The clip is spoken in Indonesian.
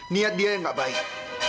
niat dia yang gak baik